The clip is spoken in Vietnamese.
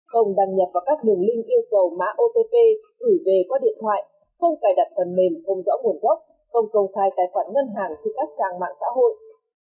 không đăng nhập vào các đường link yêu cầu mã otp gửi về qua điện thoại không cài đặt phần mềm không rõ nguồn gốc không công khai tài khoản ngân hàng trên các trang mạng xã hội